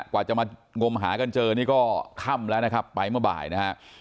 กว่าจะมางมหากันเจอนี่ก็ค่ำแล้วนะครับไปเมื่อบ่ายนะฮะ